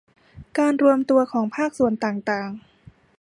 การรวมตัวของภาคส่วนต่างต่าง